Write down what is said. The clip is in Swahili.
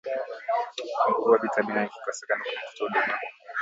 upungufu wa vitamini A ikikosekana kwa mtoto hudumaa